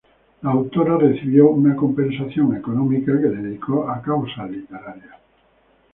La autora recibió una compensación económica que dedicó a causas literarias.